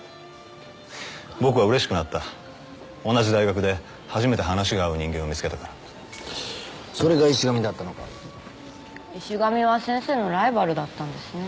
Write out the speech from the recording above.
僕はうれしくなった同じ大学で初めて話が合う人間を見つけたからそれが石神だったのか石神は先生のライバルだったんですね